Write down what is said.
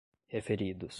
referidos